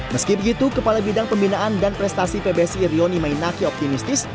meski begitu kepala bidang pembinaan dan prestasi pbsi rioni mainaki optimistis